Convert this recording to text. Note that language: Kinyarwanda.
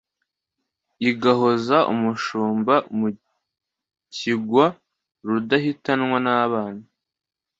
Igahoza umushumba mu kigwa !Rudahitanwa n' abana,